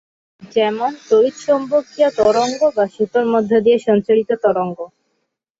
যেমন তাড়িতচৌম্বকীয় তরঙ্গ বা সুতার মধ্যে দিয়ে সঞ্চারিত তরঙ্গ।